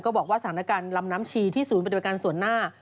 บอกว่าสถานการณ์ลำน้ำชีที่ศูนย์ปฏิบัติการส่วนหน้า